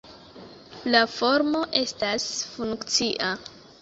La formo estas funkcia.